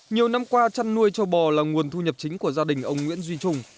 nhiều năm qua chăn nuôi châu bò là nguồn thu nhập chính của gia đình ông nguyễn duy trung